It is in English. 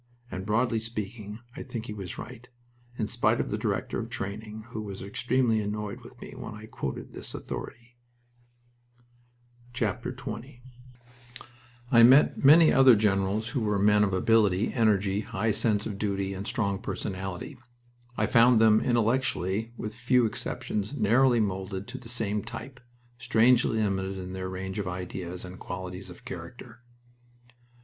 And, broadly speaking, I think he was right, in spite of the Director of Training, who was extremely annoyed with me when I quoted this authority. XX I met many other generals who were men of ability, energy, high sense of duty, and strong personality. I found them intellectually, with few exceptions, narrowly molded to the same type, strangely limited in their range of ideas and qualities of character.